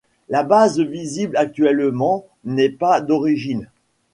La base visible actuellement n'est pas d'origine.